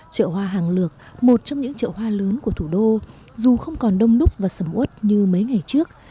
chợ hoa hàng lược một trong những chợ hoa lớn của thủ đô dù không còn đông đúc và sầm út như mấy ngày trước